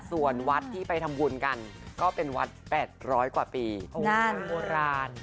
ส่วนวัดที่ไปทำวุญกันก็เป็นวัดแปดร้อยกว่าปีนั่นโบราณ